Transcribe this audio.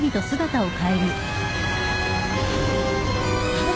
あっ！？